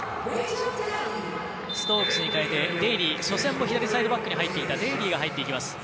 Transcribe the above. ストークスに代えてデーリー初戦も左サイドバックに入っていたデーリーを使います。